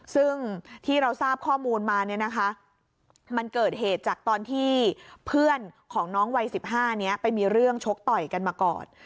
ซึ่งที่เราทราบข้อมูลมาเนี่ยนะคะมันเกิดเหตุจากตอนที่เพื่อนของน้องวัย๑๕นี้ไปมีเรื่องชกต่อยกันมาก่อน